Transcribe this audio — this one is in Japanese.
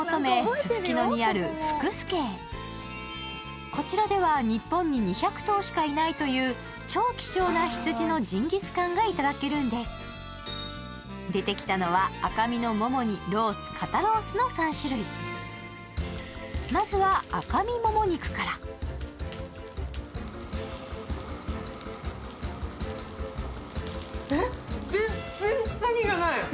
すすきのにあるふくすけへこちらでは日本に２００頭しかいないという超希少な羊のジンギスカンがいただけるんです出てきたのは赤身のモモにロース肩ロースの３種類まずは赤身モモ肉からえっ？